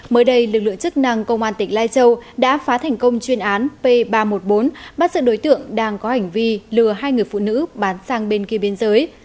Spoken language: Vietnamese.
mới đây lực lượng chức năng công an tỉnh lai châu đã phá thành công chuyên án p ba trăm một mươi bốn bắt sự đối tượng đang có hành vi lừa hai người phụ nữ bán sang bên kia biên giới